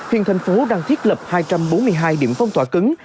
hiện thành phố đang thiết lập hai trăm bốn mươi hai điểm phong tỏa cứng